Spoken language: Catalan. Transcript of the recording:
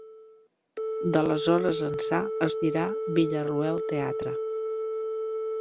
D'aleshores ençà es dirà Villarroel Teatre.